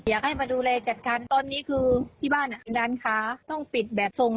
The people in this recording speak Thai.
อยากให้มาดูแลจัดการตอนนี้คือที่บ้านร้านค้าต้องปิดแบบทรง